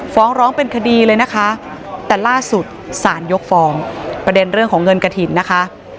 ฟ้องร้องเป็นคดีเลยนะคะแต่ล่าสุดสารยกฟ้องประเด็นเรื่องของเงินกระถิ่นนะคะ